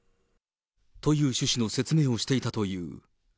という趣旨の説明をしていたという。